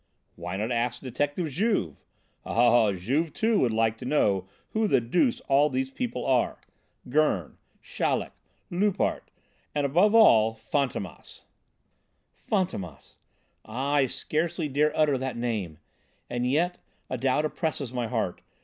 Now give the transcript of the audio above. "Why not ask Detective Juve. Oh! Juve, too, would like to know who the deuce all these people are. Gurn, Chaleck, Loupart, and, above all Fantômas!" "Fantômas! Ah, I scarcely dare utter that name. And yet a doubt oppresses my heart!